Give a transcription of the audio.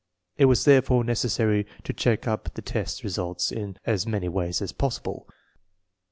It was therefore necessary to check up the test results in as many ways as possible.